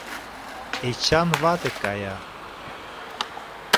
Эчан вате кая.